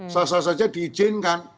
sah sah saja diizinkan